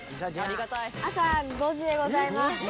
朝５時でございます。